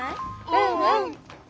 うんうん。